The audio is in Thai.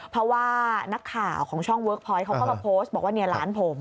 เพราะว่านักข่าวของช่องเวิร์คพอยต์เขาก็มาโพสต์บอกว่าเนี่ยร้านผม